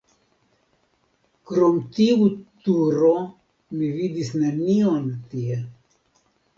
Krom tiu turo mi vidis nenion tie.